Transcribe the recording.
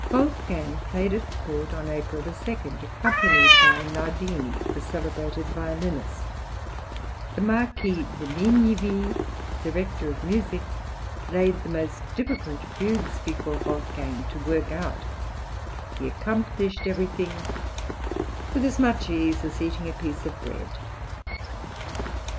Wolfgang played at court on April 2, accompanied by Nardini, the celebrated violinist; the Marquis de Ligniville, director of music, laid the most difficult fugues before Wolfgang to work out; he accomplished everything "with as much ease as eating a piece of bread."